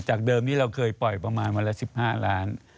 เดิมนี้เราเคยปล่อยประมาณวันละ๑๕ล้าน